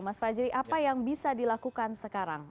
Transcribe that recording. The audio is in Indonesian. mas fajri apa yang bisa dilakukan sekarang